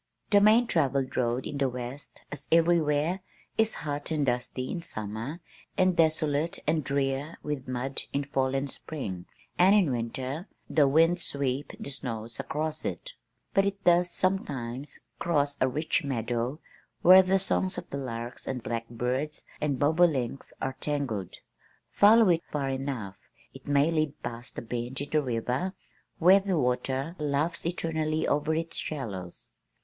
"The main travelled road in the west (as everywhere) is hot and dusty in summer and desolate and drear with mud in fall and spring, and in winter the winds sweep the snows across it, but it does sometimes cross a rich meadow where the songs of the larks and blackbirds and bobolinks are tangled. Follow it far enough, it may lead past a bend in the river where the water laughs eternally over its shallows.